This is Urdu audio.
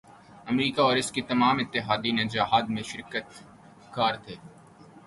امریکہ اور اس کے تمام اتحادی اس جہاد میں شریک کار تھے۔